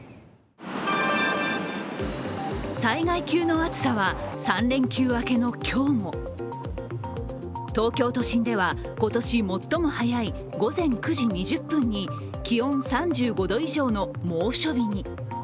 災害級の暑さは３連休明けの今日も東京都心では、今年最も早い午前９時２０分に気温３５度以上の猛暑日に。